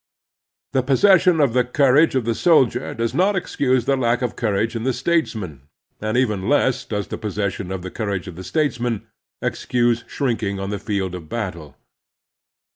The possession of the courage of the soldier does not excuse the lack of courage in the statesman and, even less does the possession of the courage of the statesman excuse shrinking on the field of battle.